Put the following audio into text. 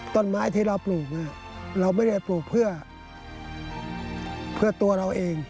ต้นไม้ที่เราปลูกเราไม่ได้ปลูกเพื่อตัวเราเอง